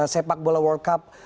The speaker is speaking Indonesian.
sepak bola world cup